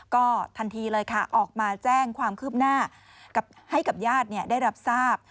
ก็ทันทีเลยค่ะออกมาแจ้งความคืบหน้าให้กับญาติได้รับทราบ